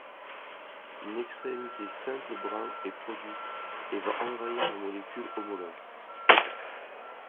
Une extrémité simple brin est produite et va envahir la molécule homologue.